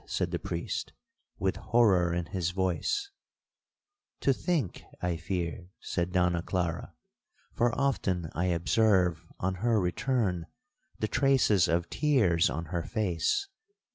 said the priest, with horror in his voice—'To think, I fear,' said Donna Clara; 'for often I observe, on her return, the traces of tears on her face.